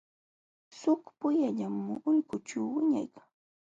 Suk puyallam ulqućhu wiñaykan.